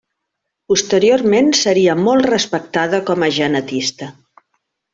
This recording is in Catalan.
Posteriorment seria molt respectada com a genetista.